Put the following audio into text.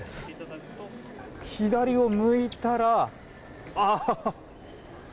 左を向いたら。